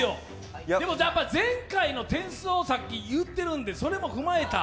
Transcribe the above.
前回の点数をさっき言ってるんで、それを踏まえた。